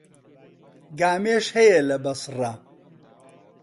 گامێش هەیە لە بەسڕە.